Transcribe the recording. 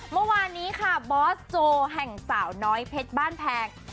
เมื่อวานนี้ค่ะบอสโจแห่งสาวน้อยเพชรบ้านแพง